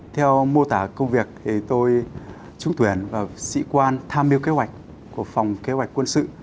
theo mô tả công việc thì tôi trúng tuyển và sĩ quan tham mưu kế hoạch của phòng kế hoạch quân sự